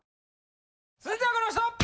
続いてはこの人！